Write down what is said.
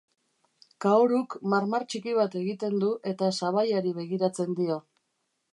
Kaoruk marmar txiki bat egiten du eta sabaiari begiratzen dio.